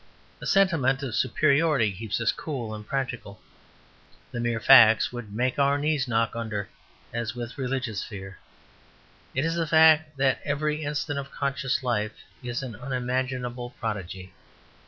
A sentiment of superiority keeps us cool and practical; the mere facts would make our knees knock under as with religious fear. It is the fact that every instant of conscious life is an unimaginable prodigy.